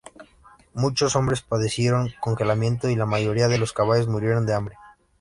Muchos hombres padecieron congelamiento y la mayoría de los caballos murieron de hambre.